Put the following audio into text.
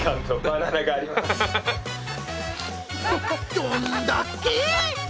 どんだけ！